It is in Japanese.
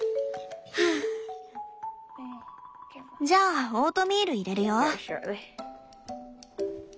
じゃあオートミール入れるよ。